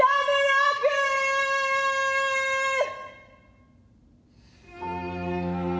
「はい！」。